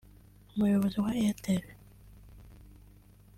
Umuyobozi wa Airtel